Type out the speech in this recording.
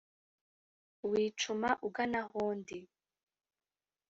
wicuma ugana aho ndi